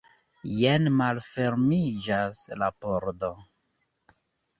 Jen malfermiĝas la pordo.